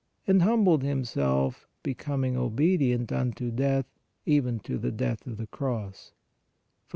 . and humbled Himself, becoming obedient unto death, even to the death of the Cross " (Phil.